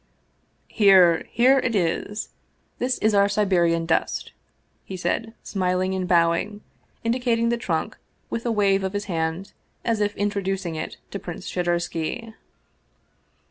" Here, here it is ! This is our Siberian dust/' he said, smiling and bowing, indicating the trunk with a wave of his hand, as if introducing it to Prince Shadursky.